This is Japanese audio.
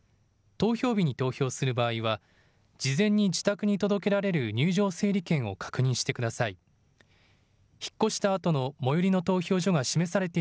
投票日に投票する場合は事前に自宅に届けられる入場整理券を確認してください。